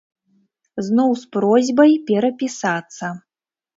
Зноў з просьбай перапісацца.